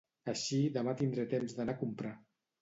Així demà tindré temps d'anar a comprar